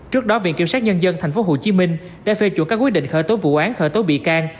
trước đó viện kiểm sát nhân dân tp hcm đã phê chủ các quyết định khởi tố vụ án khởi tố bị can